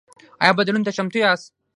ایا بدلون ته چمتو یاست؟